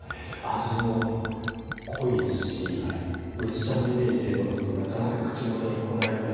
味も濃いですし薄茶のイメージで飲むとなかなか口元に来ないぐらい。